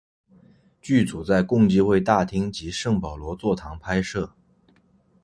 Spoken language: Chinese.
剧组在共济会大厅及圣保罗座堂拍摄。